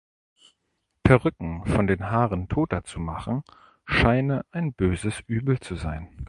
Perücken von den Haaren Toter zu machen scheine ein böses Übel zu sein.